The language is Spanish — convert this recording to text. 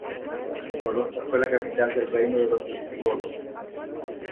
Tolosa fue la capital del reino de los visigodos.